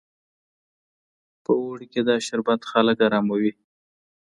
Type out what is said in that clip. په اوړي کې دا شربت خلک اراموي.